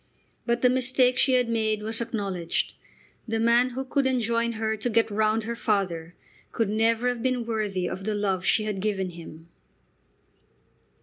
But the mistake she had made was acknowledged. The man who could enjoin her to "get round" her father could never have been worthy of the love she had given him.